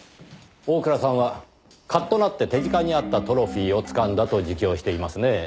大倉さんはカッとなって手近にあったトロフィーをつかんだと自供していますねぇ。